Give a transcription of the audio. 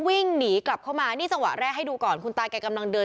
วิ่งหนีกลับเข้ามานี่จังหวะแรกให้ดูก่อนคุณตาแกกำลังเดิน